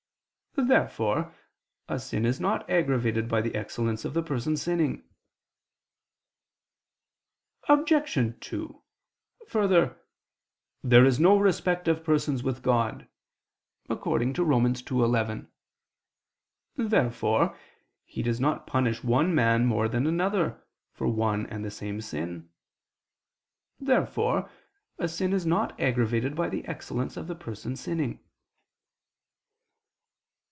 Therefore a sin is not aggravated by the excellence of the person sinning. Obj. 2: Further, "there is no respect of persons with God" (Rom. 2:11). Therefore He does not punish one man more than another, for one and the same sin. Therefore a sin is not aggravated by the excellence of the person sinning.